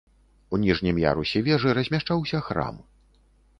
У ніжнім ярусе вежы размяшчаўся храм.